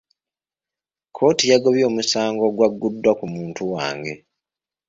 Kkooti yagobye omusango ogwagguddwa ku muntu wange.